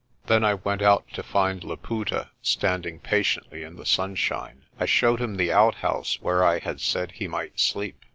Then I went out to find Laputa standing patiently in the sunshine. I showed him the outhouse where I had said he might sleep.